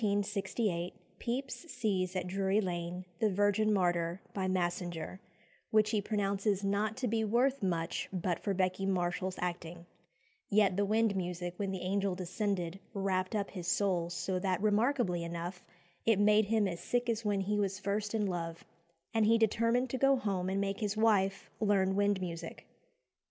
In February 1668 Pepys sees at Drury Lane "The Virgin Martyr," by Massinger, which he pronounces not to be worth much but for Becky Marshall's acting; yet the wind music when the angel descended "wrapped up" his soul so, that, remarkably enough, it made him as sick as when he was first in love, and he determined to go home and make his wife learn wind music.